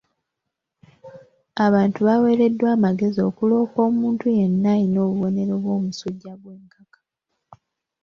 Abantu baweereddwa amagezi okuloopa omuntu yenna alina obubonero bw'omusujja gw'enkaka.